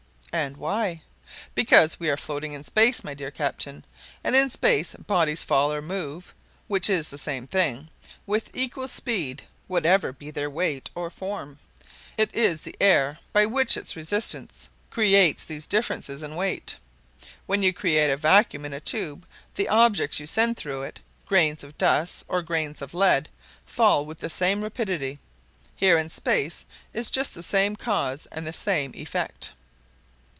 "And why?" "Because we are floating in space, my dear captain, and in space bodies fall or move (which is the same thing) with equal speed whatever be their weight or form; it is the air, which by its resistance creates these differences in weight. When you create a vacuum in a tube, the objects you send through it, grains of dust or grains of lead, fall with the same rapidity. Here in space is the same cause and the same effect."